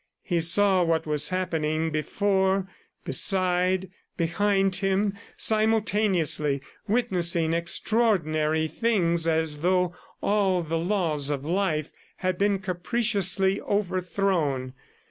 He saw what was happening before, beside, behind him, simultaneously witnessing extraordinary things as though all the laws of life had been capriciously overthrown.